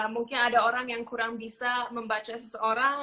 mungkin ada orang yang kurang bisa membaca seseorang